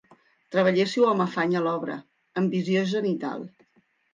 Treballéssiu amb afany a l'obra, en visió zenital.